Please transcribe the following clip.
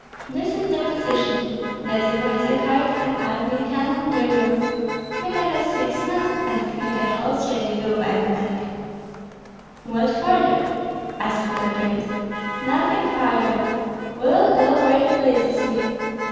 This is the position! Radzivill has a court, an army, cannon, dragoons; Kmita has six men, and Kmita holds Radzivill by the neck." "What further?" asked the prince. "Nothing further! We will go where it pleases me.